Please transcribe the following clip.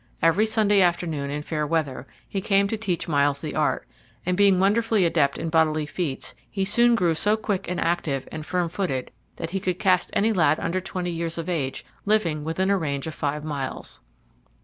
Every Sunday afternoon, in fair weather, he came to teach Myles the art, and being wonderfully adept in bodily feats, he soon grew so quick and active and firm footed that he could cast any lad under twenty years of age living within a range of five miles.